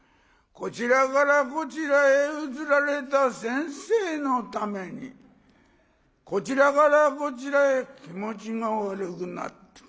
こちらからこちらへ移られた先生のためにこちらからこちらへ気持ちが悪くなって。